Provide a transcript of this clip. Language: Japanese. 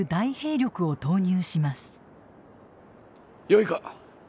よいか。